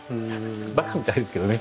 ばかみたいですけどね。